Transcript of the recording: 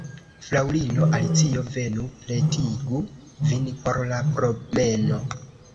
Fraŭlino Alicio, venu, pretigu vin por la promeno.